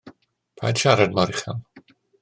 Paid siarad mor uchel.